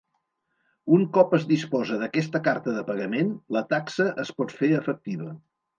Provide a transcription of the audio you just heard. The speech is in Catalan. Un cop es disposa d'aquesta carta de pagament, la taxa es pot fer efectiva.